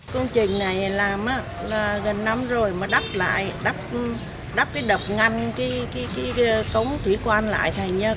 công trình này làm gần năm rồi mà đắp lại đắp cái đập ngăn cái cống thủy quan lại thành